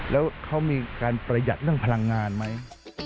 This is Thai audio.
แล้วเขามีการประหยัดเรื่องพลังงานไหม